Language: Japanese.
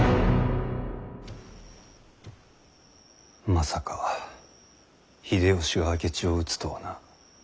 まさか秀吉が明智を討つとはな。